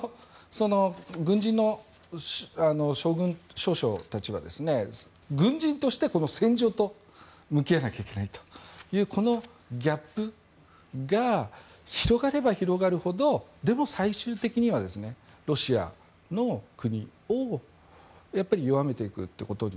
軍人の将軍、少将たちは軍人として戦場と向き合わなきゃいけないというこのギャップが広がれば広がるほどでも、最終的にはロシアの国を弱めていくっていうことに。